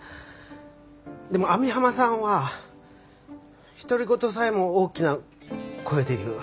でも網浜さんは独り言さえも大きな声で言う。